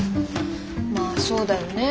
まあそうだよね。